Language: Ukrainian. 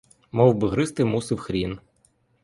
Мовби гризти мусив хрін.